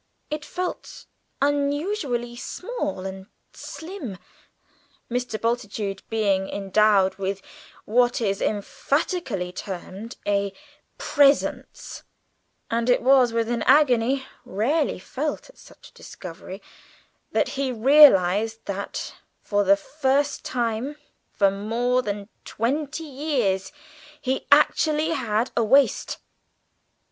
It felt unusually small and slim, Mr. Bultitude being endowed with what is euphemistically termed a "presence," and it was with an agony rarely felt at such a discovery that he realised that, for the first time for more than twenty years, he actually had a waist.